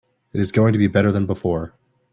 It is going to be better than before.